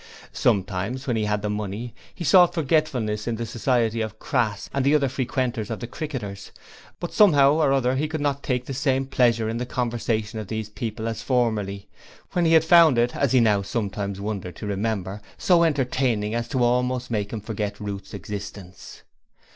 Sometimes when he had the money he sought forgetfulness in the society of Crass and the other frequenters of the Cricketers, but somehow or other he could not take the same pleasure in the conversation of these people as formerly, when he had found it as he now sometimes wondered to remember so entertaining as to almost make him forget Ruth's existence.